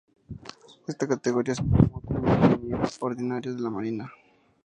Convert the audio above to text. En esta categoría se formó como ingeniero ordinario de marina.